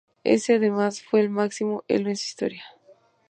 Ese además fue el máximo Elo en su historia.